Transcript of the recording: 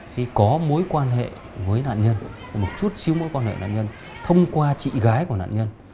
thì có mối quan hệ với nạn nhân một chút xíu mối quan hệ nạn nhân thông qua chị gái của nạn nhân